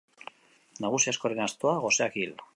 Nagusi askoren astoa, goseak hil.